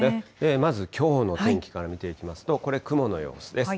まずきょうの天気から見ていきますと、これ、雲の様子です。